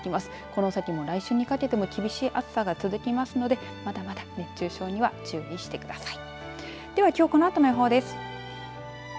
この先も来週にかけても厳しい暑さが続きますのでまだまだ熱中症には注意してください。